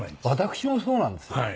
私もそうなんですよ。